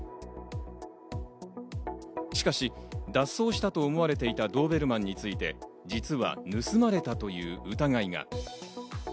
しかし、脱走したと思われていたドーベルマンについて、実は盗まれたという疑いが。